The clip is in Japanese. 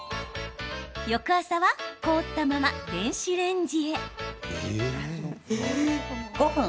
翌朝は凍ったまま電子レンジへ。